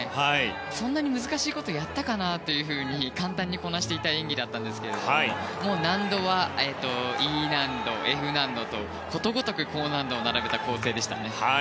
そんなに難しいことをやったかなというふうに簡単にこなしていた演技だったんですが難度はＥ難度、Ｆ難度とことごとく高難度を並べた構成でしたね。